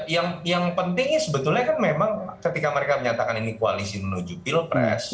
ya yang pentingnya sebetulnya kan memang ketika mereka menyatakan ini koalisi menuju pilpres dua ribu dua puluh empat